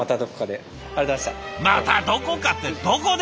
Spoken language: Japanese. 「またどこか」ってどこで！？